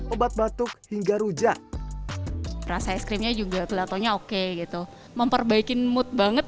obat batuk hingga rujak rasa es krimnya juga kelihatannya oke gitu memperbaiki mood banget